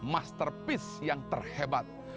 masterpiece yang terhebat